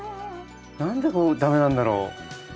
何でこう駄目なんだろう。